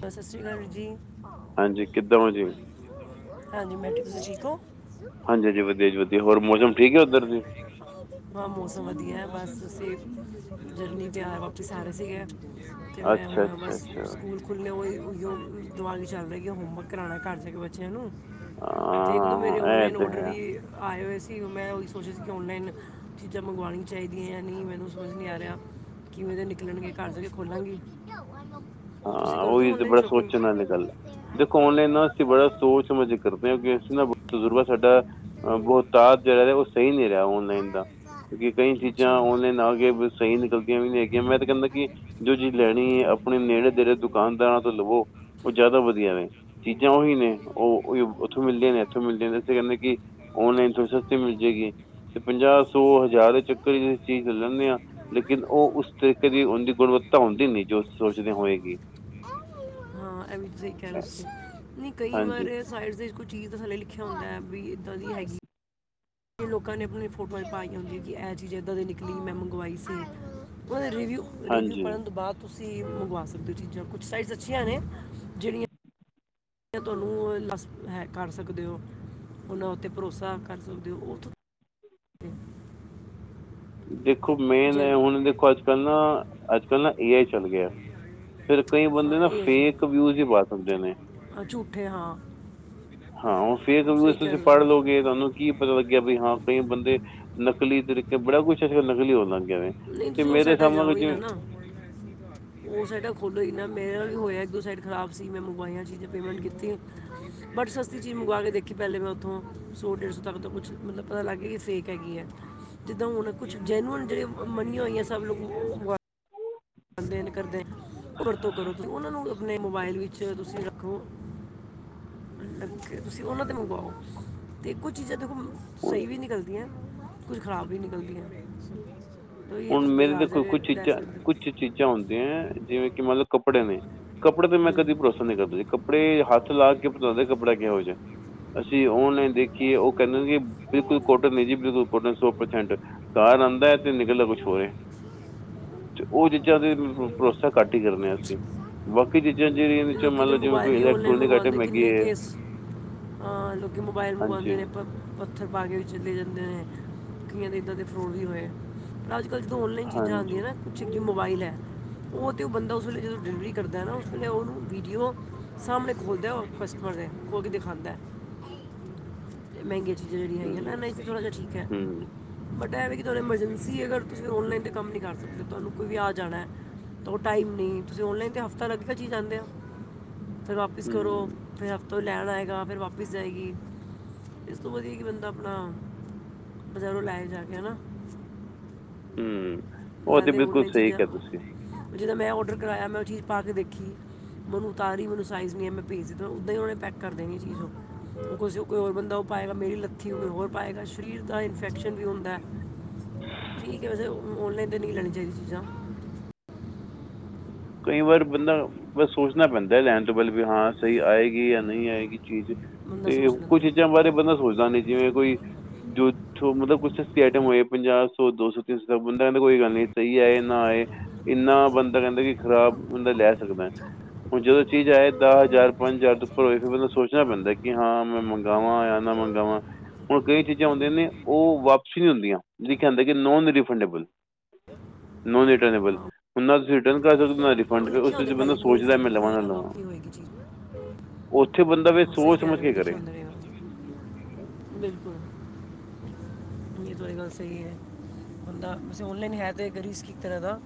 ਸਤਿ ਸ਼੍ਰੀ ਅਕਾਲ ਵੀਰ ਜੀ ਹਾਂਜੀ ਕਿੱਦਾਂ ਜੀ ਹਾਂਜੀ ਮੈਟ੍ਰਿਕ ਤੁਸੀਂ ਠੀਕ ਹੋ ਹਾਂਜੀ ਹਾਂਜੀ ਵਧੀਆ ਚ ਵਧੀਆ ਹੋਰ ਮੌਸਮ ਠੀਕ ਹੈ ਉੱਧਰ ਦੀ ਹਾਂ ਮੌਸਮ ਵਧੀਆ ਬਸ ਤੁਸੀਂ ਜਰਨੀ ' ਆ ਵਾਪਿਸ ਆ ਰਹੇ ਸੀਗੇ ਅਤੇ ਮੈਂ ਅੱਛਾ ਹੁਣ ਅੱਛਾ ਬਸ ਅੱਛਾ ਸਕੂਲ ਖੁੱਲੇ ਉਹ ਉ ਦਿਮਾਗ ਚੱਲਦਾ ਕਿ ਹੋਮਵਰਕ ਕਰਾਉਣਾ ਘਰ ਜਾ ਕੇ ਬੱਚਿਆਂ ਨੂੰ ਅਤੇ ਇੱਕ ਦੋ ਮੇਰੇ ਹਾਂ ਇਹ ਔਨਲਾਈਨ ਤਾਂ ਔਡਰ ਹੈ ਵੀ ਆਏ ਹੋਏ ਸੀ ਅਤੇ ਮੈਂ ਉਹੀ ਸੋਚਿਆ ਸੀ ਕਿ ਔਨਲਾਈਨ ਚੀਜ਼ਾਂ ਮੰਗਵਾਉਣੀਆਂ ਚਾਹੀਦੀਆਂ ਜਾਂ ਨਹੀਂ ਮੈਨੂੰ ਸਮਝ ਨਹੀਂ ਆ ਰਿਹਾ ਕਿਵੇਂ ਦੇ ਨਿਕਲਣਗੇ ਘਰ ਕੇ ਖੋਲਾਂਗੇ ਹਾਂ ਉਹੀ ਤੇ ਬੜਾ ਸੋਚਣ ਵਾਲੀ ਗੱਲ ਹੈ ਦੇਖੋ ਔਨਲਾਈਨ ਆਸੀ ਬੜਾ ਸੋਚ ਸਮਝ ਕਰਦੇ ਹੋ ਕਿ ਅਸੀ ਨਾ ਤਜ਼ੁਰਗਾ ਸਾਡਾ ਬਹੁਤਾ ਤ ਜਿਹੜਾ ਉਹ ਸਹੀ ਨ ਨਹੀਂ ਰਿਹਾ ਔਨਲਾਈਨ ਹਿੰਦਾ ਕਈ ਚੀਜ਼ਾਂ ਔਨਲਾਈਨ ਆ ਕੇ ਸਹੀ ਨਿਕਲਦੀਆਂ ਵੀ ਨਹੀਂ ਹੈਗੀਆਂ ਮੈਂ ਤੇ ਕਹਿੰਦਾ ਕਿ ਜੋ ਚੀਜ਼ ਲੈਣੀ ਆਪਣੇ ਨੇੜੇ ਜਹੜੇ ਦੁਕਾਨਦਾਰਾਂ ਤੋਂ ਲਵੋ ਉਹ ਜ਼ਿਆਦਾ ਵਧੀਆ ਨੇ ਚੀਜ਼ਾਂ ਉਹੀ ਨੇ ਉਹ ਉੱਥੋਂ ਮਿਲਦੀਆਂ ਨੇ ਇੱਥੋਂ ਮਿਲ ਜਾਂ ਇਸੇ ਕਰ ਕਿ ਔਨਲਾਈਨ ਤਾਂ ਸਸਤੀ ਮਿਲ ਜਾਏਗੀ ਤੇ ਪੰਜਾਹ ਸੌ ਹਜ਼ਾਰ ਚੱਕਰ ਚੀਜ਼ ਲੈਂਦੇ ਹਾਂ ਲੇਕਿਨ ਉਹ ਉਸ ਤਰੀਕੇ ਦੀ ਉਹਦੀ ਗੁਣਵੱਤਾ ਤਾਂ ਹੁੰਦੀ ਨੀ ਜੋ ਸੋਚਦੇ ਹੋਏਗੀ ਕਹਿ ਨਹੀਂ ਕਈ ਹਾਂਜੀ ਵਾਰ ਸਾਈਡ ਕੁਛ ਚੀਜ਼ ਤਾਂ ਥੇ ਲਿਖਿਆ ਹੁੰਦਾ ਹੈ ਵੀ ਇੱਦਾਂ ਦੀ ਹੈਗੀ ਲੋਕਾਂ ਨੇ ਆਪਣੀ ਫੋਟੋਆਂ ਪਾਈਆਂ ਹੁੰਦੀਆਂ ਕਿ ਇਹ ਚੀਜ਼ ਏਦਾਂ ਦੀ ਨਿਕਲੀ ਮੈਂ ਮੰਗਵਾਈ ਸੀ ਰਿਵਿਊ ਰਿਵਿਊ ਹਾਂਜੀ ਪੜਨ ਤੋਂ ਬਾਅਦ ਤੁਸੀਂ ਤੁਸੀਂ ਮੰਗਵਾ ਸਕਦੇ ਹੋ ਚੀਜ਼ਾਂ ਕੁਛ ਸਾਈਡਸ ਅੱਛੀਆਂ ਨੇ ਜਿਹੜੀਆਂ ਤੁਹਾਨੂੰ ਉਹ ਲਸ ਹੈ ਕਰ ਸਕਦੇ ਹੋ ਉਹਨਾਂ ਉੱਥਤੇ ਭਰੋਸਾ ਕਰ ਸਕਦੇ ਹੋ ਉਥ ਦੇਖੋ ਮੇਨ ਹੁਣ ਦੇਖੋ, ਅੱਜ-ਕੱਲ੍ਹ ਨਾ ਅੱਜ-ਕੱਲ੍ਹ ਨਾ ਏ ਆਈ ਚੱਲ ਗਿਆ। ਫਿਰ ਕਈ ਹਾਂ, ਬੰਦੇ ਨਾ ਇਹ ਹੈ ਜੋ ਫੇਕ ਵਿਊਜ ਹੀ ਪਾ ਦਿੰਦੇ ਨੇ, ਅੱਠੇ ਹਾਂ, ਹਾਂ ਉਹ ਫੇਰ ਸਹੀ ਕਹਿ ਤੁਸੀਂ ਰਹੇ ਪੜ੍ਹ ਹੋ। ਲਓਗੇ, ਤੁਹਾਨੂੰ ਕੀ ਪਤਾ ਲੱਗਿਆ ਵੀ ਹਾਂ ਕਈ ਬੰਦੇ ਨ ਨਕਲੀ ਤਰੀਕੇ ਬੜਾ ਕੁਛ ਅਸੀਲ ਨਕਲੀ ਹੋਵਾਂਗੇ। ਨਹੀਂ ਤੁਸੀਂ ਉਹ ਸਾਈਡਾ ਜਾਓ, ਹੀ ਨਾ ਨਾ ਉਹ ਸਾਈਡਾ ਖੋਲੋ ਹੀ ਨਾ ਮੇਰਾ ਵੀ ਹੋਇਆ। ਦੋ ਸਾਈਡ ਖਰਾਬ ਸੀ ਮੈਂ ਮੰਗਵਾਈਆਂ, ਚੀਜ਼ਾਂ ਪੇਮੈਂਟ ਕੀਤੀਆਂ ਬਟ ਸਸਤੀ ਚੀਜ਼ ਮੰਗਵਾ ਕੇ ਦੇਖੀ ਪਹਿਲੇ ਮੈਂ ਉੱਥੋਂ ਸੌ ਡੇਢ ਸੌ ਤੱਕ ਤੋਂ ਕੁਛ ਮਤਲਬ ਪਤਾ ਲੱਗ ਗਿਆ, ਕਿ ਫੇਕ ਹੈਗੀ ਹੈ ਜਿੱਦਾਂ ਹੁਣ ਕੁਛ ਜੈਨੂਅਨ ਜਿਹੜੇ ਮੰਨੀਆਂ ਹੋਈਆਂ ਸਭ ਲੋਕ, ਖਦੇ ਕਰਦੇ ਉਹ ਵਰਤੋਂ ਕਰੋ, ਤੁਸੀਂ ਉਹਨਾਂ ਨੂੰ ਆਪਣੇ ਮੋਬਾਇਲ ਵਿੱਚ ਤੁਸੀਂ ਰੱਖੋ। ਲੱਗੇ ਤੁਸੀਂ ਉਹਨਾਂ ਤੇ ਮੰਗਵਾਓ ਅਤੇ ਕੁਝ ਚੀਜ਼ਾਂ ਦੇਖੋ, ਹੁਣ ਸਹੀ ਵੀ ਨਿਕਲਦੀਆਂ ਕੁਝ ਖਰਾਬ ਵੀ ਨਿਕਲਦੀਆਂ ਤਾਂ ਇਹ ਹੁਣ ਤੁਸੀਂ ਮੇਰੇ ਬਾਜ਼ਾਰ ਜਾ ਦੇਖੋ ਕੇ ਕੁਛ ਲੈ ਸਕਦੇ ਚੀਜ਼ਾਂ-ਕੁਛ ਹੋ ਚੀਜ਼ਾਂ ਹੁੰਦੀਆਂ, ਜਿਵੇਂ ਕਿ ਮਤਲਬ ਕੱਪੜੇ ਨੇ ਕੱਪੜੇ ਤੇ ਮੈਂ ਹੂੰ ਕਦੀ ਭਰੋਸਾ ਨਹੀ ਕਰਦੀ, ਕੱਪੜੇ ਹੱਥ ਲਾ ਕੇ ਪਤਾ ਲਗਦਾ ਕੱਪੜਾ ਕਿਹੋ ਜਿਹਾ ਅਸੀਂ ਔਨਲਾਈਨ ਦੇਖੀਏ, ਉਹ ਕਹਿੰਦੇ ਕਿ ਬਿਲਕੁਲ ਕੁੱਟ ਨਹੀਂ ਜੀ ਬਿਲਕੁਲ ਕੁਟ ਸੌ ਪ੍ਰਸੈਂਟ ਕਾਰ ਆਦਾ ਏ ਤੇ ਨਿਕਲ ਲੱ ਕੁਛ ਹੋਏ ਤੇ ਉਹ ਚੀਜ਼ਾਂ ਦੇ ਭਰੋਸਾ ਘੱਟ ਹੀ ਕਰਨੇ, ਅਸੀਂ ਬਾਕੀ ਚੀਜ਼ਾਂ ਜਿਹੜੀਆਂ ਇਹਦੇ 'ਚੋਂ ਲੋਕੀ ਮੰਨ ਦੇ ਲਓ ਜਿਵੇਂ ਮੋਬਾਈਲ ਕੋਈ ਵੀ ਔਨਲਾਈਨ ਇਲੈਕਟ੍ਰੋਨਿਕ ਮੰਗਵਾਦੇ ਆਈਟਮ ਹੈਗੀ ਕਿੰਨੇ ਹੈ ਕੇਸ ਹਾਂ ਲੋਕੀ ਮੋਬਾਇਲ ਮੰਗਵਾਦੇ ਹਾਂਜੀ ਨੇ ਪੱਥਰ ਪਾ ਕੇ ਵਿੱਚ ਦੇ ਦਿੰਦੇ ਨੇ ਦੇ ਇੱਦਾਂ ਦੇ ਫਰੋਟ ਵੀ ਹੋਏ ਰਾਜ ਅ ਕੱਲ ਜਦੋਂ ਔਨਲਾਈਨ ਚੀਜ਼ਾਂ ਹਾਂਜੀ ਆਦੀਆਂ ਨਾ ਕੁਛ ਜਿਵੇਂ ਮੋਬਾਈਲ ਹੈ ਉਹ ਅਤੇ ਉਹ ਬੰਦਾ ਉਸ ਵੇਲੇ ਜਦੋਂ ਡਿਲੀਵਰੀ ਕਰਦਾ ਨਾ ਉਸ ਵੇਲੇ ਉਹਨੂੰ ਵੀਡੀਓ ਸਾਮ੍ਹਣੇ ਖੋਲ੍ਹਦਾ ਉਹ ਕਸਟਮਰ ਦੇ ਖੋਲ ਕੇ ਦਿਖਾਦਾ ਹੈ ਅਤੇ ਮਹਿੰਗੀਆਂ ਚੀਜ਼ਾਂ ਜਿਹੜੀਆਂ ਹੂੰ ਹੈਗੀਆਂ ਨਾ, ਇਹਨਾਂ ਤਾਂ ਥੋੜ੍ਹਾ ਜਿਹਾ ਠੀਕ ਹੈ ਹੂੰ ਬਟ ਇਹ ਵੀ ਕਿ ਤੁਹਾਨੂੰ ਐਮਰਜੈਂਸੀ ਅਗਰ ਤੁਸੀਂ ਔਨਲਾਈਨ ਤੇ ਕੰਮ ਨੀ ਕਰ ਸਕਦੇ, ਤੁਹਾਨੂੰ ਕੋਈ ਵਿਆਹ ਜਾਣਾ ਹੈ ਤਾਂ ਉਹ ਟਾਈਮ ਨਹੀਂ ਤੁਸੀਂ ਔਨਲਾਈਨ ਤੇ ਹਫ਼ਤਾ ਲੱਗ, ਕੇ ਚੀ ਆਂਦੇ ਹੋ ਫਿਰ ਵਾਪਿਸ ਕਰੋ ਹੂੰ ਫਿਰ ਹਫ਼ ਲੈਣ ਆਏਗਾ ਫਿਰ ਵਾਪਿਸ ਜਾਏਗੀ, ਇਸ ਤੋਂ ਵਧੀਆ ਕਿ ਬੰਦਾ ਆਪਣਾ ਬਜ਼ਾਰੋਂ ਲੈ ਜਾ ਕੇ ਹਨਾ ਹੂੰ ਉਹ ਤਾਂ ਲੈਂਦੇ ਬਿਲਕੁਲ ਔਨਲਾਈਨ ਸਹੀ ਚੀਜ਼ਾਂ ਕਿਹਾ ਤੁਸੀਂ ਜਦੋਂ ਮੈਂ ਔਡਰ ਕਰਵਾਇਆ, ਮੈਂ ਉਹ ਚੀਜ਼ ਪਾ ਕੇ ਦੇਖੀ ਮੈਨੂੰ ਉਤਰੀ ਮੈਨੂੰ ਸਾਈਜ਼ ਨਹੀਂ ਮੈਂ ਭੇਜ ਦਿੱਤਾ, ਉੱਦਾਂ ਹੀ ਉਹੇ ਪੈਕ ਕਰ ਦੇਣੀ ਚੀਜ਼ ਕੋਈ ਹੋਰ ਬੰਦਾ ਪਾਏਗਾ ਮੇਰੀ ਲੱਥੀ ਔ ਹੋਰ ਪਾਏਗਾ, ਸਰੀਰ ਦਾ ਇਨਫੈਕਸ਼ਨ ਵੀ ਹੁੰਦਾ ਠੀਕ ਹੈ, ਵੈਸੇ ਔਨਲਾਈਨ ਤੇ ਨਹੀਂ ਲੈਣੀ ਚਾਹੀਦੀਆਂ ਚੀਜ਼ਾਂ ਕਈ ਵਾਰ ਬੰਦਾ ਬਸ ਸੋਚਣਾ ਪੈਂਦਾ ਲੈਣ ਤੋਂ ਪਹਿਲ ਵੀ ਹਾਂ ਸਹੀ ਆਏਗੀ, ਜਾਂ ਨਹੀਂ ਆਏਗੀ ਚੀਜ਼ ਬੰਦਾ ਤੇ ਸੋਚ ਕੁਝ ਲੈਂਦਾ ਚੀਜ਼ਾਂ ਹਾਂ, ਬਾਰੇ ਬੰਦਾ ਸੋਚਦਾ ਨੇ ਜਿਵੇਂ, ਕੋਈ ਜੋ ਮਤਲਬ ਕੁਛ ਸਸਤੀ ਆਈਟਮ ਹੋਏ, ਪੰਜਾਹ ਸੌ ਦੋ ਸੌ ਤਿੰਨ ਸੌ ਬੰਦਾ ਕਹਦਾ ਕੋਈ ਗੱਲ ਨਾ ਸਹੀ ਆਏ ਨਾ ਆਏ ਇੰਨਾ ਬੰਦਾ ਕਹਿੰਦਾ ਕਿ, ਖ਼ਰਾਬ ਬੰਦਾ ਲੈ ਸਕਦਾ ਹੁਣ ਜਦੋਂ ਚੀਜ਼ ਆਏ ਦਾ ਹਜ਼ਾਰ ਪੰਜ ਹਜ਼ਾਰ ਦੇ ਉੱਪਰ ਹੋਏ, ਫਿਰ ਮੈਨੂੰ ਸੋਚਣਾ ਪੈਂਦਾ ਕਿ ਹਾਂ ਮੈਂ ਮੰਗਾਵਾ ਜਾਂ ਨਾ ਮਗਾਵਾ ਹੁਣ ਕਈ ਚੀਜ਼ਾਂ ਹੁੰਦੀਆਂ, ਨੇ ਉਹ ਵਾਪਸੀ ਨਹੀਂ ਹੁੰਦੀਆਂ ਜਿਹੜੀ ਕਹਿੰਦੇ ਕਿ ਨੋਨ ਰਿਫੰਡੇਬਲ ਨੋਨ ਰਿਟਰਨਏਬਲ ਹੁਣ ਨਾ ਤੁਸੀਂ ਰਿਟਰਨ ਕਰ ਸਕਦੇ ਹੋ ਨਾ ਉਹ ਰਿਫੰਡ ਫਿਰ ਲਿਖੇ ਉਸ ਹੁੰਦੇ ਵਿੱਚ ਆ, ਬੰਦਾ ਪਹਿਲੇ ਨੋ ਸੋਚਦਾ ਰਿਫੰਡ ਮੈਂ ਲਵਾਂ ਨਾ ਲਵਾਂ ਹੋਏਗੀ ਚੀਜ਼ ਉੱਥੇ ਬੰਦਾ ਵੀ ਹਾਂ, ਸਹੀ ਸੋਚ ਕਹਿ ਸਮਝ ਰਹੇ ਹੋ ਕੇ ਲਿਖਿਆ ਕਰੇ ਹੁੰਦਾ ਰਹੇਗਾ ਬਿਲਕੁਲ ਤੁਹਾਡੀ ਗੱਲ ਸਹੀ ਹੈ ਬੰਦਾ ਔਨਲਾਈਨ ਹੈ, ਤਾਂ ਕਰੀ ਇੱਕ ਤਰ੍ਹਾਂ ਦਾ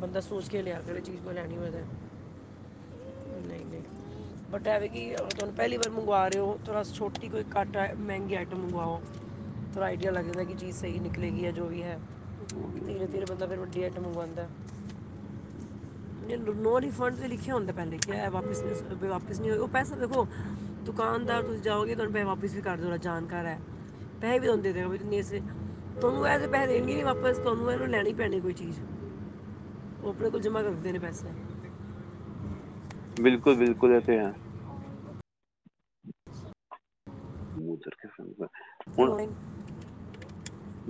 ਬੰਦਾ ਸੋਚ ਕੇ ਲਿਆ ਕੇੜੀ ਚੀਜ਼ ਕੋਈ ਲੈਣੀ ਹੋਏ, ਤਾਂ ਨਹੀਂ-ਨਹੀਂ ਬਟ ਐਵੇਂ ਕਿ ਤੁਹਾਨੂੰ ਪਹਿਲੀ ਵਾਰ ਮੰਗਵਾ ਰਹੇ ਹੋ, ਥੋੜੀ ਛੋਟੀ ਕੋਈ ਘੱਟ ਮਹਿੰਗੀ ਆਈਟਮ ਮੰਗਵਾਓ ਥੋੜ੍ਹਾ ਆਈਡੀਆ ਲੱਗਦਾ, ਕਿ ਚੀਜ਼ ਸਹੀ ਨਿਕਲੇਗੀ ਹੈ ਜੋ ਵੀ ਹੈ ਧੀਰੇ-ਧੀਰੇ ਬੰਦਾ ਫਿਰ ਵੱਡੀ ਆਈਟਮ ਮੰਗਵਾਦਾ ਨੌ ਰਿਫੰਡ ਤੇ ਲਿਖੇ ਹੋਦੇ ਵਾਪਿਸ-ਵਾਪਿਸ ਨਹੀ ਹੋਏ ਪੈਸਾ ਦੇਖੋ ਦੁਕਾਨਦਾਰ ਤੁਸੀ ਜਾਓਗੇ ਤੁਹਾਨੂੰ ਰੁਪਏ ਵਾਪਿਸ ਵੀ ਕਰ ਦਿਓ ਜਾਣਕਾਰ ਹੈ। ਪੈਸੇ ਵੀ ਦਾਂਦੇ ਤੁਹਾਨੂੰ ਇਹ ਪੈਸੇ ਦੇਣਗੇ ਨੀ ਵਾਪਸ ਤੁਹਾਨੂੰ ਇਹਨੂੰ ਲੈਣੀ ਪੈਣੀ ਕੋਈ ਚੀਜ਼ ਉਹ ਆਪਣੇ ਕੋਲ ਜਮ੍ਹਾਂ ਕਰਦੇ ਨੇ ਪੈਸੇ। ਬਿਲਕੁਲ-ਬਿਲਕੁਲ ਇਥੇ ਹੈ। ਮੂੰਹ ਉਤਰ ਗਿਆ ਗੁਡ ਮੋਰਨਿੰਗ।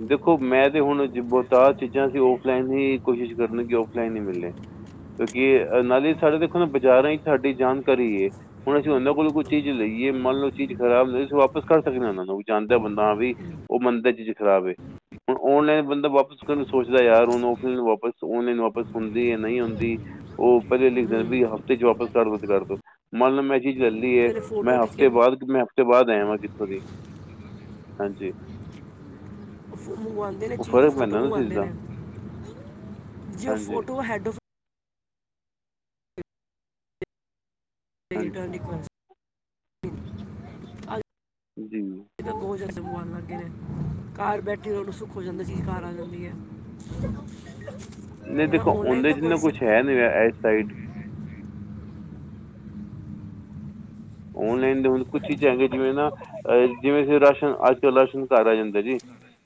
ਦੇਖੋ ਮੈਂ ਤੇ ਹੁਣ ਜ ਬਹੁਤਾਰ ਚੀਜ਼ਾਂ ਔਫਲਾਈਨ ਹੀ ਕੋਸ਼ਿਸ਼ ਕਰਨ ਕਿ ਔਫਲਾਈਨ ਹੀ ਮਿਲੇ। ਕਿਉਂਕਿ ਨਾਲੇ ਸਾਡੇ ਦੇਖੋ ਨਾ ਬਾਜ਼ਾਰਾਂ ਇੱਕ ਸਾਡੀ ਜਾਣਕਾਰੀ ਏ। ਹੁਣ ਅਸੀਂ ਉਹਨਾਂ ਕੋਲ ਕੋਈ ਚੀਜ਼ ਲਈ ਮੰਨ ਲਓ, ਚੀਜ਼ ਖ਼ਰਾਬ ਅਸੀਂ ਵਾਪਿਸ ਕਰ ਸਕਦੇ ਹਾਂ। ਉਹਨਾਂ ਨੂੰ ਵੀ ਚਾਹਦੇ ਬੰਦਾ ਵੀ ਉਹ ਬੰਦੇ ਚ ਖਰਾਬ ਹੈ। ਹੁਣ ਔਨਲਾਈਨ ਬੰਦਾ ਵਾਪਿਸ ਸੋਚਦਾ ਯਾਰ ਹੁਣ ਫਲਾਈਨ ਵਾਪਸ ਔਨਲਾਈਨ ਵਾਪਸ ਹੀ ਨਹੀਂ ਹੁੰਦੀ ਉਹ ਪਹਿਲੇ ਹੂੰ ਲਿਖਦੇ ਵੀ ਹਫ਼ਤੇ ਚ ਵਾਪਸ ਕਰ ਦੋ ਤੇ ਕਰ ਦੋ ਮੰਨ ਲਉ ਮੈਂ ਜੀ। ਝੱਲੀ ਏ ਮੇਰੇ ਫੋਟੋ ਮੈਂ ਖਿੱਚ ਕੇ ਹਫ਼ਤੇ ਬਾਅਦ ਮੈਂ ਹ। ਤੋਂ ਬਾਅਦ ਆਇਆ ਵਾਂ ਕਿੱਥੋਂ ਦੀ ਹਾਂਜੀ। ਮੰਗਵਾਉਂਦੇ ਨੇ ਉਹ ਚੀਜ਼ ਦੀ ਫ਼ਰਕ ਫੋਟੋ ਪੈਂਦਾ ਨਾ ਉਸ ਚੀਜ਼ ਮੰਗਵਾਉਂਦੇ ਦਾ ਨੇ ਜੇ ਹਾਂਜੀ ਫੋਟੋ ਹੈੱਡ। [inaudible] ਇਹ ਤਾਂ [unintelligible] ਹਾਂਜੀ ਜੀ ਘਰ ਬੈਠੀ [unintelligible] ਨੂੰ ਸੁੱਖ ਹੋ ਜਾਂਦਾ ਚੀਜ ਘਰ ਆ ਜਾਂਦੀ ਐ। ਨੀਂ ਦੇਖੋ ਉਂਦੇ ਚ ਨਾ ਕੁਛ ਹੈ ਨੀ ਇ ਸਾਇਡ। [unintelligible] ੳਨਲਾਈਨ ਦੇ ਹੁਣ ਕੁੱਛ ਚੀਜਾਂ ਹਾਂਜੀ ਹੈਗੀਆਂ ਜਿਵੇਂ ਨਾ ਜਿਵੇਂ ਰਾਸ਼ਨ ਅੱਜ ਕੱਲ੍ਹ ਰਾਸ਼ਨ ਘਰ ਆ ਜਾਂਦੇ ਜੀ।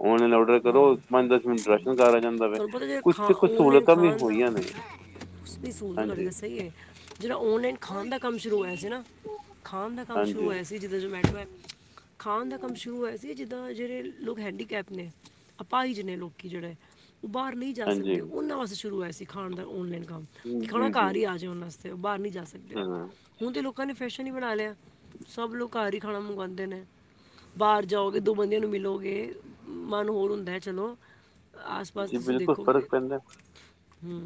ੳਨਲਾਈਨ ਔਡਰ ਕਰੋ। ਹਾਂ ਪੰਜ -ਦਸ ਮਿੰਟ ਰਾਸ਼ਨ ਘਰ ਆ ਜਾਂਦਾ ਵੇ। ਤੁਹਾਨੂੰ ਪਤਾ ਜੇ ਕੁਛ ਖਾ ਕੁ ਆਨਲਾਈਨ ਸਹੂਲਤਾਂ ਵੀ ਖਾਣ ਹੋਈਆਂ ਨੇ। ਦਾ ਉਸ ਵੀ ਸਹੂਲਤ ਤੁਆਡੀ ਹਾਂਜੀ ਗੱਲ ਸਹੀ ਏ। ਜੇਹੜਾ ੳਨਲਾਈਨ ਖਾਣ ਦਾ ਕੰਮ ਸ਼ੁਰੂਇਆ ਹਨਾਂ। ਖਾਣ ਦਾ ਕੰਮ ਸ਼ੁਰੂ ਹਾਂਜੀ ਹੋਇਆ ਸੀ ਜਿੱਦਾਂ ਜਮੈਟੋ ਹੈ। ਖਾਣ ਦਾ ਕੰਮ ਸ਼ੁਰੂ ਹੋਇਆ ਸੀ ਜਿੱਦਾਂ ਜਿਹੜੇ ਲੋਕ ਹੈਂਡੀਕੈਪ ਨੇ, ਅਪਾਈਜ ਨੇ ਲੋਕੀ ਜਿਹੜੇ ਬਾਹਰ ਨਈਂ ਜਾ ਹਾਂਜੀ ਸਕਦੇ। ਉਹਨਾਂ ਵਾਸਤੇ ਸ਼ੁਰੂ ਹੋਇਆ ਸੀ ਖਾਣ ਦਾ ੳਨਲਾਈਨ। ਖਾਣਾ ਜੀ ਜੀ ਘਰ ਹੀ ਆ ਜਾ ਉਹਨਾ ਵਾਸਤੇ ਉਹ ਬਾਹਰ ਨੀ ਜਾ ਸਕਦੇ ਹਾਂ ਹੁਣ ਤੇ ਲੋਕਾਂ ਨੇ ਫਿਸ਼ ਈ ਬਣਾ ਲਿਆ ਸਭ ਲੋਕ ਘਰ ਹੀ ਖਾਣਾ ਮੰਗਵਾਦੇ ਨੇ ਬਾਹਰ ਜਾਓਗੇ ਦੋ ਬੰਦਿਆਂ ਨੂੰ ਮਿਲੋ ਫੇਰ ਮਨ ਹੋਰ ਹੁੰਦਾ ਚਲੋ। ਆਸ-ਪਾਸ ਜੀ ਤੁਸੀਂ ਬਿਲਕੁਲ ਫ਼ਰਕ ਦੇਖੋਗੇ ਪੈਂਦਾ ਹੂੰ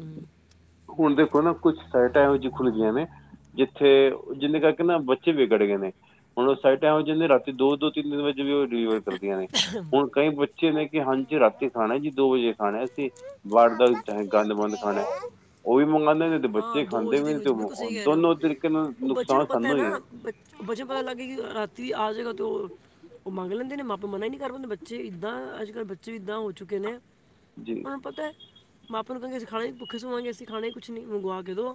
ਹੁਣ ਦੇ ਕੁਛ ਸਾਈਟਾਂ ਇਹੋ ਜਿਹੀ ਖੁੱਲ ਗਈਆਂ ਨੇ ਜਿੱਥੇ ਜਿੰਨੇ ਕਰਕੇ ਨਾ ਬੱਚੇ ਵਿਗੜ ਗਏ ਨੇ। ਹੁਣ ਉਹ ਫਲਾਇਟਾ ਇਹੋ ਜਹੀਆਂ ਰਾਤੀ ਦੋ ਦੋ ਤਿਨ ਵਜੇ ਵੀ ਉਹ ਡਿਲੀਵਰ ਕਰਦੀਆਂ ਨੇ ਹੁਣ ਕਈ ਬੱਚੇ ਨੇ ਕਿ ਹਾਂ ਹਾਂਜੀ ਯਾਰ ਰਾਤੀ ਖਾਣਾ ਈ ਨਹੀਂ ਦੋ ਵਜੇ ਖਾਣੈ ਅਸੀਂ ਬਾਹਰ ਦਾ ਵੀ ਪਾਪਾ ਚਾਹੇ ਕਿੱਥੇ ਗੰਦ ਮੰਦ ਉਤਰੇ ਖਾਣੈ ਆ ਉਹ ਵੀ ਮੰਗਵਾਦੇ ਨੇ ਤੇ ਹਾਂ ਬੱਚੇ ਖਾਂਦੇ ਵਜੇ ਵੀ ਨੇ ਤੇ ਵਜੇ ਸਹੀ ਕਹਿ ਰਹੇ ਹੋ ਦੋਨੋ ਤਰੀਕੇ ਨਾਲ ਦੇਖਦੇ ਉਹ ਬੱਚੇ ਨੁਕਸਾਨ ਨੂੰ ਪਤਾ ਹੈ ਸਾਨੂੰ ਹੀ ਨਾ ਏਂ। ਬੱਚ- ਬੱਚੇ ਪਤਾ ਲੱਗੇ ਕਿ ਰਾਤੀ ਆ ਜਾਏਗਾ ਤੇ ਉਹ ਉਹ ਮੰਗ ਲੈਂਦੇ ਨੇ ਮਾਪੇ ਮਨਾ ਈ ਨੀਂ ਕਰ ਪਾਂਦੇ ਬੱਚੇ ਇੱਦਾਂ ਅੱਜ ਕੱਲ੍ਹ ਬੱਚੇ ਇਦਾਂ ਹੋ ਚੁੱਕੇ ਨੇ ਜੀ ਉਹਨੂੰ ਪ [inaudible] ਮਾਪੇ ਨੂੰ ਕਹਿੰਗੇ ਅਸੀਂ ਖਾਣਾ ਭੁੱਖੇ ਸੋਵਾਂਗੇ ਅਸੀਂ ਖਾਣਾ ਕੁਛ ਨੀਂ ਮੰਗਵਾ ਕੇ ਦੋ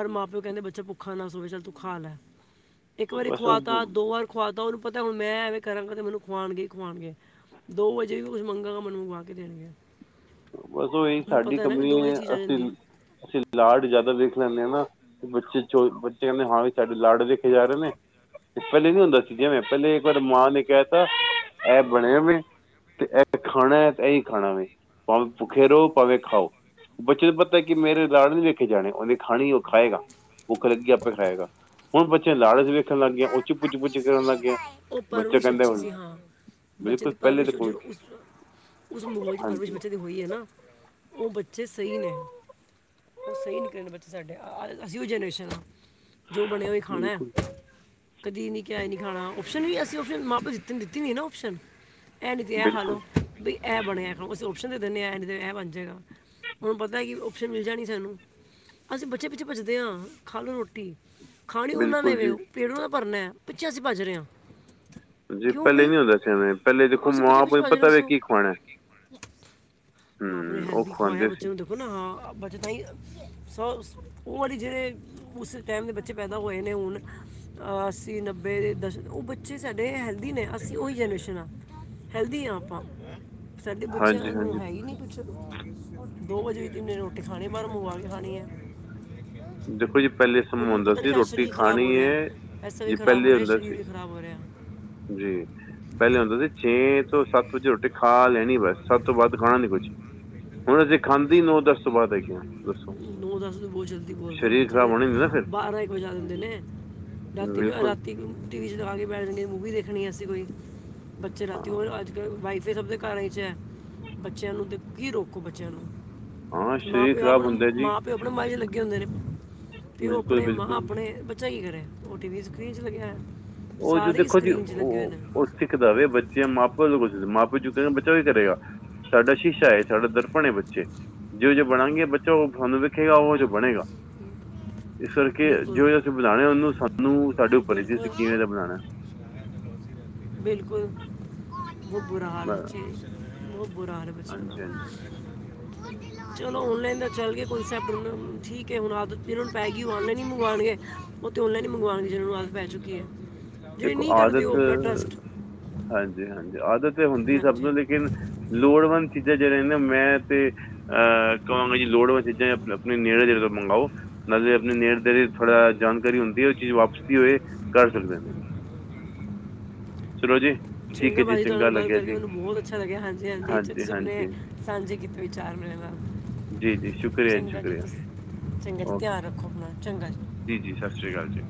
ਹਰ ਮਾਂ ਪਿਓ ਕਹਿੰਦੇ ਬੱਚਾ ਭੁੱਖਾ ਨਾ ਸੋਏ ਚੱਲ ਤੂੰ ਖਾ ਲੈ। ਇੱਕ ਵਾਰੀ ਬਸ ਖੁਆ ਤਾ ਉਹ ਦੋ ਵਾਰ ਖੁਆਤਾ ਉਹਨੂੰ ਪਤਾ ਹੁਣ ਮੈਂ ਏਵੇਂ ਕਰਾਂਗਾ ਤੇ ਮੈਨੂੰ ਖੁਵਾਣਗੇ ਈ ਖੁਵਾਣਗੇ। ਦੋ ਵਜੇ ਵੀ ਕੁਛ ਮੰਗਾਂ ਮੈਨੂੰ ਮੰਗਵਾ ਕੇ ਦੇਣਗੇ। ਬਸ ਉਹੀ ਮੈਨੂੰ ਸਾਡੀ ਪਤਾ ਹੈ ਨਾ ਕਿ ਕਮੀ ਦੋ ਵਜੇ ਐ ਚੀਜ਼ ਆ ਅਸੀ। ਜਾਂਦੀ ਹੈ ਅਸੀਂ ਲਾਡ ਜਿਆਦਾ ਵੇਖ ਲੈਂਨੇ ਆਂ ਨਾਂ ਬੱਚੇ। ਬੱਚੇ ਕਹਿੰਦੇ ਹਾਂ ਵੀ ਸਾਡੇ ਲਾਡ ਦੇਖੇ ਜਾ ਰਹੇ ਨੇਂ। ਤੇ ਪਹਿਲੇ ਨੀ ਹੁੰਦਾ ਸੀ ਜਿਵੇਂ ਪਹਿਲੇ ਇੱਕ ਵਾਰ ਮਾਂ ਨੇ ਕਹਿ ਤਾ ਐਹ ਬਣਿਆ ਮੈਂ। ਤੇ ਐਹ ਖਾਣੈ ਤੇ ਇਹੀ ਖਾਣਾ ਵੇ ਭਾਵੇਂ ਭੁੱਖੇ ਰਹੋ ਭਾਵੇਂ ਖਾਓ। ਬੱਚੇ ਨੂੰ ਪਤਾ ਕਿ ਮੇਰੇ ਲਾੜ ਨੀਂ ਵੇਖੇ ਜਾਣੇ ਉਹਨੇ ਖਾਣੀ ਉਹ ਖਾਏਗਾ। ਭੁੱਖ ਲੱਗੀ ਆਪੇ ਖਾਏਗਾ ਹੁਣ ਬੱਚੇ ਲਾੜ ਵਿੱਚ। ਦੇਖਣ ਲੱਗ ਗਈਆਂ ਉੰਝ ਪੁੱਚ ਪੁੱਚ ਕਰਨ ਲੱਗ ਗਈ ਆ ਉਹ ਬੱਚੇ ਪਰਵਰਿਸ਼ ਕਹਿੰਦੇ ਅੱਛੀ ਉਹ। ਸੀ ਹਾਂ ਬੱਚੇ ਦੀ ਪਰਵਰਿਸ਼ ਉਜ ਉਸ ਉਸ ਮਹੋਲ ਚ ਹਾਂਜੀ ਪਰਵਰਿਸ਼ ਬੱਚੇ ਦੀ। ਹੋਈ ਐ ਨਾਂ ਉਹ ਬੱਚੇ ਸਹੀ ਨੇਂ। ਉਹ ਸਹੀ ਨਿਕਲੇ ਨੇ ਬੱਚੇ ਸਾਡੇ ਅਸੀਂ ਉਹ ਜਨਰੇਸ਼ਨ ਆਂ ਜੋ ਬਣਿਐ ਉਹੀ ਖਾਣਾ। ਬਿਲਕੁਲ ਕਦੀ ਨੀ ਕਿਹਾ ਇਹ ਨੀ ਖਾਣਾ ਓਪਸ਼ਨ ਵੀ ਅਸੀਂ ਅਸੀ ਆਪਸ਼ਨ ਮਾਂ ਪਿਓ ਨੇ ਦਿੱਤੀ ਦਿਤੀ ਨੀਂ ਨਾਂ ਆਪਸ਼ਨ। ਐਹ ਨੀ ਤੇ ਐਹ ਬਿਲਕੁਲ ਖਾਲੋ ਬਈ ਐ ਬਣਿਐ ਅਸੀਂ ਓਪਸ਼ਨ ਦੇ ਦਿੰਨੇਂ ਐਂਹ ਨੀਂ ਤੇ ਐਹ ਬਣ ਜਾਏਗਾ। ਹੁਣ ਪਤਾ ਕੀ ਓਪਸ਼ਨ ਮਿਲ ਜਾਣੀ ਸਾਨੂੰ ਅਸੀਂ ਬੱਚੇ ਪਿੱਛੇ ਭੱਜਦੇ ਆਂ ਖਾਲੋ ਰੋਟੀ। ਖਾਣੀ ਉਹਨਾਂ ਬਿਲਕੁਲ ਨੇਵੇ ਜੀ ਪੇਟ ਉਹਨਾਂ ਦਾ ਭਰਨੈ ਪਿੱਛੇ ਅਸੀਂ ਭੱਜ ਰਹੇ ਆਂ। ਜੀ ਪਹਿਲੇ ਨੀ ਹੁੰਦਾ ਸੀ ਐਵੇਂ ਪਹਿਲੇ ਦੇਖੋ ਹਾਂ ਅਸੀਂ ਮਾਂ ਬੱਚੇ ਕੋ ਪਿੱਛੇ ਐ ਭੱਜ ਰਹੇ ਹਾਂ, ਪਤਾ ਵੇ ਦੱਸੋ ਕੀ ਖਵਾਣੈ। ਮਾਂ ਪਿੳ ਨੇਂ ਹੈਲਦੀ ਖਵਾਇਆ ਸੀ ਬੱਚੇ ਨੂੰ ਦੇਖੋ ਨਾ ਹਾਂ ਆ। ਬੱਚੇ ਤਾਈਂ ਸ ਉਹ ਵਰੀ ਜਿਹੜੇ ਉਸ ਟਾਈਮ ਦੇ ਬੱਚੇ ਪੈਦਾ ਹੋਏ ਨੇ ਹੁਣ ਅੱਸੀ ਨੱਬੇ ਦਸ਼ਕ ਉਹ ਬੱਚੇ ਸਾਡੇ ਹੈਲਦੀ ਨੇ ਅਸੀਂ ਉਹੀ ਜਨਰੇਸ਼ਨ ਆ। ਹੈਲਦੀ ਹਾਂ ਆਪਾਂ, ਸਾਡੇ ਬੱਚਿਆਂ ਹਾਂਜੀ ਨੂੰ, ਹਾਂਜੀ ਹੈ ਹੀ ਨਹੀਂੀ ਕੁੱਛ ਦੋ ਵਜੇ ਵੀ, ਜਿਨੇ ਖਾਣੀ ਨੇ ਰੋਟੀ ਖਾਣੀ ਬਾਹਰੋਂ ਮੰਗਵਾ ਕੇ, ਖਾਣੀ ਹੈ ਦੇਖੋ ਜੀ, ਪਹਿਲੇ ਸਮਾ ਉਹਨਾਂ ਨੂੰ ਹੁੰਦਾ ਪਤਾ ਨਹੀਂ ਸੀ, ਸਾਡਾ ਰੋਟੀ ਸਰੀਰ ਖਰਾਬ ਖਾਣੀ ਹੋ ਰਿਹਾ ਐਸਾ ਵੀ ਜੀ ਖਰਾਬ ਪਹਿਲੇ ਹੋ ਰਿਹਾ ਹੁੰਦਾ ਸੀ, ਸਰੀਰ ਵੀ ਖਰਾਬ ਹੋ ਰਿਹਾ ਜੀ ਪਹਿਲੇ ਹੁੰਦਾ ਸੀ ਛੇ ਤੋਂ ਸਤ ਵਜੇ, ਰੋਟੀ ਲੈਣੀ ਬਸ, ਸਭ ਤੋਂ ਵੱਧ ਖਾਣਾ ਨੀ ਕੁਛ ਹੁਣ, ਅਸੀਂ ਖਾਂਦੇ ਹੀ ਨੌ ਦਸ ਤੋਂ ਬਾਅਦ ਦੱਸੋ। ਨੌ ਦਸ ਬਹੁਤ ਜਲਦੀ ਬੋਲ ਰਹੇ ਹੋ, ਸਰੀਰ ਖਰਾਬ ਬੱਚੇ ਹੋਣਾ ਨਹੀਂ ਨਾ ਫਿਰ ਬਾਰਾਂ ਇੱਕ ਵਜਾ ਦਿੰਦੇ ਨੇ ਬਿਲਕੁਲ ਰਾਤੀ-ਰਾਤੀ ਟੀ ਵੀ ਚਲਾ ਕੇ ਬੈਠ ਜਾਂਦੇ ਨੇ, ਮੂਵੀ ਦੇਖਣੀ ਅਸੀਂ ਕੋਈ ਬੱਚੇ ਰਾਤੀ ਹਾਂ ਹੋਰ ਅੱਜ ਕੱਲ ਵਾਈ। ਫਿਰ, ਸਭ ਦੇ ਘਰਾਂ 'ਚ ਹੈ ਬੱਚਿਆਂ, ਨੂੰ ਦੀ ਰੋਕੋ ਬੱਚਿਆਂ ਨੂੰ ਹਾਂ ਤੇ, ਮਾਂ ਸਰੀਰ ਪਿਓ ਆਪ ਖਰਾਬ ਹੁੰਦਾ ਜੀ ਮਾਂ ਪਿਓ ਆਪਣੇ ਮਜੇ ਲੱਗੇ। ਅਗੇ ਹੁੰਦੇ ਨੇ, ਪਿਓ ਬਿਲਕੁਲ ਆਪਣੇ, ਮਾਂ ਬਿਲਕੁਲ ਆਪਣੇ, ਬਚਾ ਕੀ ਕਰੇ, ਉਹ ਟੀ ਵੀ ਸਕਰੀੀਨ ਚ ਲੱਗਿਆ। ਉਹ ਜੀ, ਸਾਰੇ ਹੀ ਦੇਖੋ ਜੀ, ਸਕਰੀਨ 'ਚ ਲੱਗੇ ਹੋਏ ਉਹ ਉਹ ਸਿੱਖਦਾ ਵੇ ਨੇ ਬੱਚਿਆਂ ਮਾਪ ਮਾਂ ਪਿਓ ਦੀ ਚੁੱਕ, ਬੱਚਾ ਵੀ ਕਰੇਗਾ। ਸਾਡਾ ਸ਼ੀਸ਼ਾ, ਸਾਡਾ ਦਰਪਣ ਏ ਬੱਚੇ, ਜਿਹੋ ਜਹੇ ਬਣਾਂਗੇ, ਬੱਚੇ ਤੁਹਾਨੂੰ ਦਿਖੇਗਾ ਉਹ ਜੋ ਬਣੇਗਾ। [inaudible] [unintelligible] ਇਸ ਕਰਕੇ, ਜੋ ਅਸੀਂ ਵਧਾਣਾ ਹੈ ਉਹਨੂੰ, ਸਾਨੂੰ ਆਪਣੇ ਉੱਪਰ ਹੀ ਧਿਆਨ ਦੇਣਾ ਪੈਣਾ। ਕਿਵੇਂ ਦਾ ਬਣਾਣਾ? ਉਹ, ਬੁਰਾ ਹਾਲ ਹੈ ਬੱਚਿਆਂ ਹਾਂਜੀ ਦਾ। ਹਾਂਜੀ ਚਲੋ, ਔਨਲਾਈਨ ਦਾ ਚੱਲ ਗਿਆ ਐਕਸੈਪਟ ਹੈ ਠੀਕ ਹੈ, ਹੁਣ ਆਣ ਨੂੰ ਪੈ। ਕਿ ਉਹ ਲਾਈ ਹੀ ਮੰਗਵਾਣ, ਗਗੇ ਉਹ ਲਾਈਨ ਹੀ ਮੰਗਵਾਣਗੇ ਜਿਹਨਾਂ ਨੂੰ ਅ ਪੈ ਚੁੱਕੀ ਹੈ। ਜਿਹੜੇ ਇੱਕ ਨਹੀਂ ਕਰਦੇ ਉਹ ਆਦਤ। ਆਪਣਾ ਟਰਸਟ ਹਾਂਜੀ, ਹਾਂਜੀ, ਆਦਤ ਤਾਂ ਸਭ ਨੂੰ ਹੁੰਦੀ ਹੈ, ਹਾਂਜੀ ਲੇਕਿਨ ਲੋੜਵੰਦ। ਚੀਜ਼ਾਂ ਜਿਹੜੀਆਂ ਨੇ ਨਾ, ਮੈਂ ਤਾਂ ਇਹੀ ਕਹਾਂਗਾ ਜੀ ਲੋੜਵੰਦ ਚੀਜ਼ਾਂ ਆਪਣੇ ਨੇੜੇ ਜਿਹੜੇ ਮੰਗੋ। ਨਾਲੇ ਆਪਣੇ ਨੇੜੇ-ਤੇੜੇ ਥੋੜ੍ਹੀ ਜਾਣਕਾਰੀ ਹੁੰਦੀ ਹੈ, ਉਹ ਚੀਜ਼ ਵਾਪਸੀ ਦੀ ਹੋਵੇ ਤਾਂ ਕਰ ਸਕਦੇ ਨੇ। ਸਿਰੋਜੀ ਚੰਗਾ ਜੀ, ਨਾਲ ਗੱਲ ਕਰਕੇ ਮੈਨੂੰ ਬਹੁਤ ਅੱਛਾ ਲੱਗਿਆ, ਹਾਂਜੀ, ਹਾਂਜੀ, ਤੁਸੀਂ ਜੋ ਸਾਂਝੇ ਕੀਤੇ, ਉਹ ਚਾਰ ਮਿੰਟ ਵੀ ਬਹੁਤ ਨੇ ਧਨੇਵਾਦ। ਜੀ ਜੀ, ਸ਼ੁਕਰੀਆ ਜੀ, ਸ਼ੁਕਰੀਆ। ਚੰਗਾ ਜੀ ਓਕੇ, ਧਿਆਨ ਰੱਖੋ ਆਪਣਾ ਚੰਗਾ ਜੀ ਜੀ ਸਤਿ ਸ੍ਰੀ ਅਕਾਲ ਜੀ।